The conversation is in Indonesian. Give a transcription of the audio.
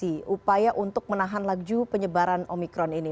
apakah ini adalah upaya untuk menahan lagu penyebaran omikron ini